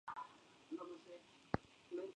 Fue el quinto de ocho emperadores sin leyenda.